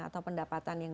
atau pendapatan yang